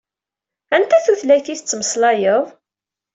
Anta tutlayt i tettmeslayeḍ?